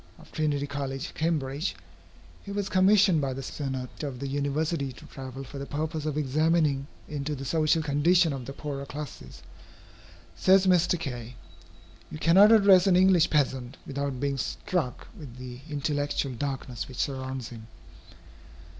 of Trinity College, Cambridge, who was commissioned by the Senate of the University to travel for the purpose of examining into the social condition of the poorer classes. Says Mr. Kay: "You cannot address an English peasant, without being struck with the intellectual darkness which surrounds him.